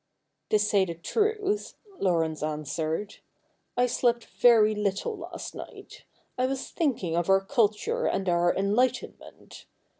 'To say the truth,' Laurence answered, 'I slept very little last night. I was thinking of our culture and our enlightenment.